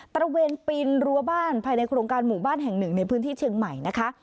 ระเวนปีนรั้วบ้านภายในโครงการหมู่บ้านแห่งหนึ่งในพื้นที่เชียงใหม่นะคะ